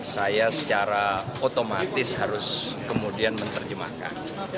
saya secara otomatis harus kemudian menerjemahkan